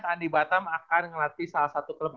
tni batam akan ngelatih salah satu klub